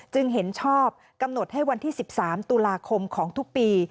เห็นชอบกำหนดให้วันที่๑๓ตุลาคมของทุกปี